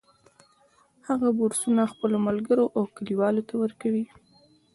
هغه بورسونه خپلو ملګرو او کلیوالو ته ورکوي